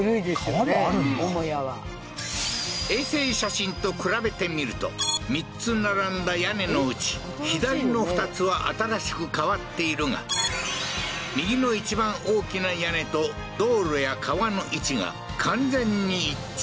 母屋は衛星写真と比べてみると３つ並んだ屋根のうち左の２つは新しく変わっているが右の一番大きな屋根と道路や川の位置が完全に一致